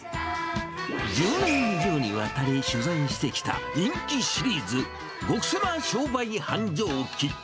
１０年以上にわたり取材してきた人気シリーズ、極セマ商売繁盛記。